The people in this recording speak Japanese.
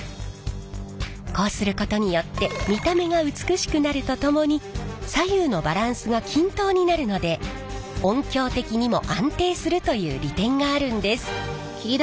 こうすることによって見た目が美しくなるとともに左右のバランスが均等になるので音響的にも安定するという利点があるんです。